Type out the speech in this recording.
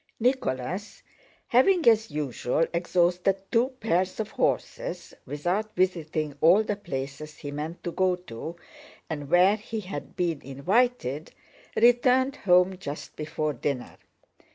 Nicholas, having as usual exhausted two pairs of horses, without visiting all the places he meant to go to and where he had been invited, returned home just before dinner.